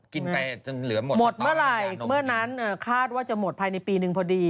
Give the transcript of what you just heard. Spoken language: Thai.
กินไปจนเหลือหมดต่ออย่างนมกินหมดเมื่อนั้นคาดว่าจะหมดภายในปีนึงพอดี